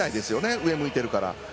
上、向いてるから。